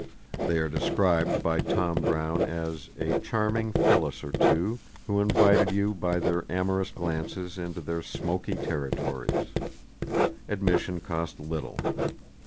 They are described by Tom Brown as "a charming Phillis or two, who invited you by their amorous glances into their smoaky territories." Admission cost little.